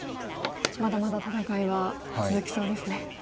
まだまだ戦いは続きそうですね。